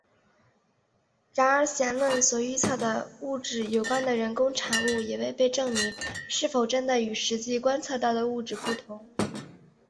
然而弦论所预测的物质有关的人工产物也未被证明是否真的与实际观测到的物质不相同。